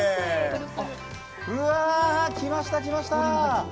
うわ、来ました来ました。